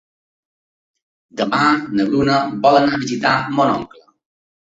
Demà na Bruna vol anar a visitar mon oncle.